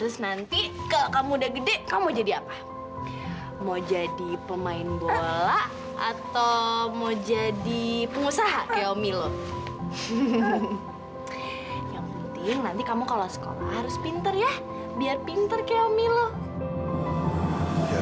sampai jumpa di video selanjutnya